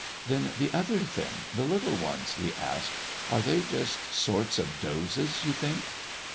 "Then the other thing the little ones?" he asked. "Are they just sorts of dozes, you think?"